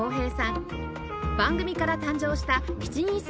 番組から誕生した７人制